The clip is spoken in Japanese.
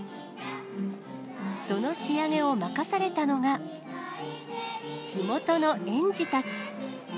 その仕上げを任されたのが、地元の園児たち。